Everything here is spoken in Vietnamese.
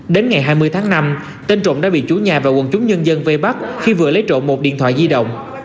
đến ngày hai mươi tháng năm tên trộm đã bị chủ nhà và quần chúng nhân dân vây bắt khi vừa lấy trộm một điện thoại di động